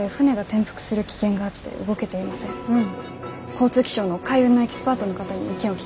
交通気象の海運のエキスパートの方に意見を聞きたいんですが。